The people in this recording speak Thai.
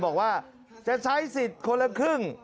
บอกว่าจะใช้สิทธิ์คนละครึ่ง